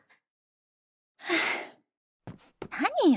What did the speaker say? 何よ。